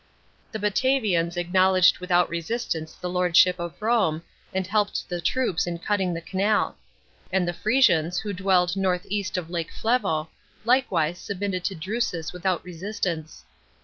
The Batavians acknowledged without resistance the lordship of Rome, and helped the troops in cutting the canal ; and the Frisians, who dwelled north east of Lak^ Flevo, likewise submitted to Drusus without resistance.